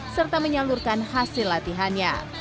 serta menyalurkan hasil latihannya